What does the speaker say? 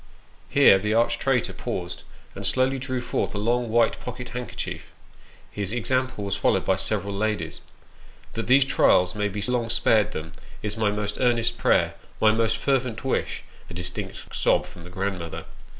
Here the arch traitor paused, and slowly drew forth a long, white pocket handkerchief his example was followed by several ladies. " That these trials may be long spared them is my most earnest prayer, my most fervent wish (a distinct sob from the grandmother).